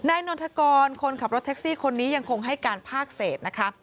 นนทกรคนขับรถแท็กซี่คนนี้ยังคงให้การภาคเศษนะคะ